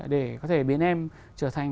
để có thể biến em trở thành